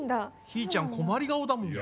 ひーちゃん困り顔だもん。